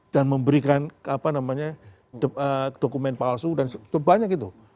dan memberikan dokumen palsu dan sebanyak itu